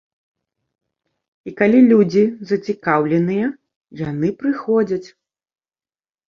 І калі людзі зацікаўленыя, яны прыходзяць.